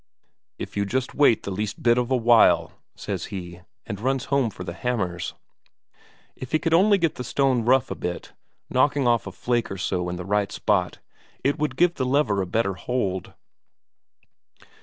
"If you just wait the least bit of a while," says he, and runs home for the hammers. If he could only get the stone rough a bit, knocking off a flake or so in the right spot, it would give the lever a better hold.